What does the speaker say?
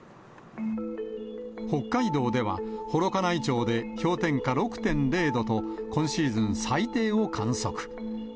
北海道では、幌加内町で氷点下６．０度と、今シーズン最低を観測。